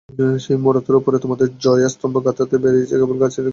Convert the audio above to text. সেই মূঢ়তার উপরেই তোমাদের জয়স্তম্ভ গাঁথতে বেরিয়েছ কেবল গায়ের জোরে।